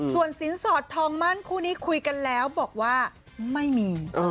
ส่วนสินสอดทองมั่นคู่นี้คุยกันแล้วบอกว่าไม่มี